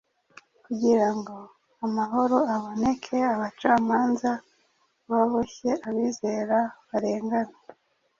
kugira ngo amahoro aboneke abacamanza baboshye abizera baregwaga.